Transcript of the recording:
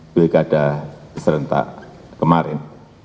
wilkada serentak kemarin